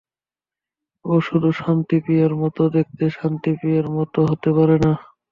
ও শুধু শান্তি প্রিয়ার মতো দেখতে, শান্তি প্রিয়ার মতো হতে পারে না।